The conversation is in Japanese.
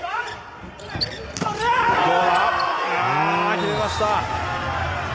決めました。